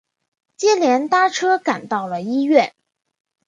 接连搭车赶到了医院